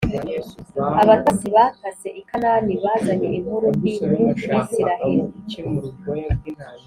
abatasi batase i kanani bazanye inkuru mbi mu bisiraheli